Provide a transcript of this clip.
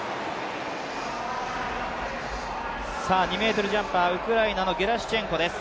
２ｍジャンパー、ウクライナのゲラシュチェンコです。